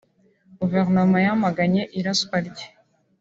Guverinoma yamaganye iraswa rye